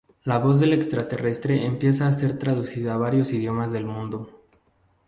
La voz del extraterrestre empieza a ser traducida a varios idiomas del mundo.